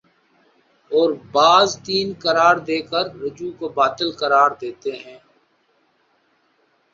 اور بعض تین قرار دے کررجوع کو باطل قرار دیتے ہیں